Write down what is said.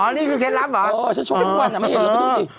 อ๋อนี่คือเคล็ดลับเหรอเออฉันชกทุกวันไม่เห็นแล้วก็ดูดิ